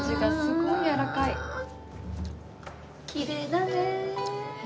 きれいだね。